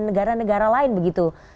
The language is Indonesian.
negara negara lain begitu